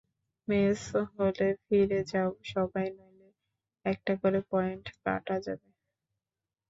Mace হলে ফিরে যাও সবাই, নইলে একটা করে পয়েন্ট কাটা যাবে।